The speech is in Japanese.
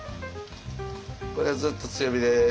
これはずっと強火です。